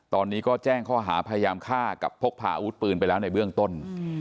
ตอนนี้ก็แจ้งข้อหาพยายามฆ่ากับพกพาอาวุธปืนไปแล้วในเบื้องต้น